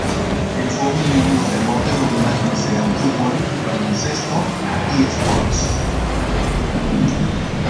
En su opinión los deportes dominantes serán fútbol, baloncesto y eSports.